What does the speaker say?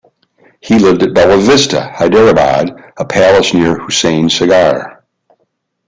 He lived at Bella Vista, Hyderabad, a palace near Hussain Sagar.